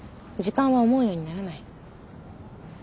時間は思うようにならない。